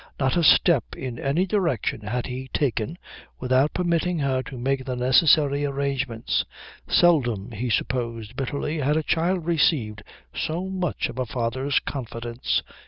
Not a step in any direction had he taken without permitting her to make the necessary arrangements. Seldom, he supposed bitterly, had a child received so much of a father's confidence.